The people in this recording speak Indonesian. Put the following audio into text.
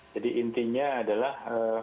jadi intinya adalah